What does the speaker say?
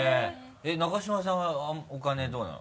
中島さんはお金どうなの？